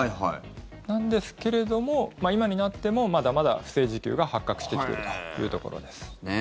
なんですけれども今になってもまだまだ不正受給が発覚してきているというところです。